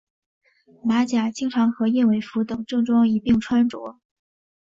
马甲经常和燕尾服等正装一并穿着。